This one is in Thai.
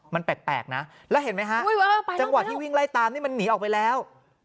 มันแปลกนะแล้วเห็นไหมฮะจังหวะที่วิ่งไล่ตามนี่มันหนีออกไปแล้ว